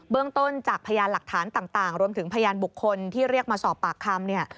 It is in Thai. เรื่องต้นจากพยานหลักฐานต่างรวมถึงพยานบุคคลที่เรียกมาสอบปากคำเนี่ย